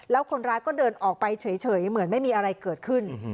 แล้วคนร้ายก็เดินออกไปเฉยเหมือนไม่มีอะไรเกิดขึ้น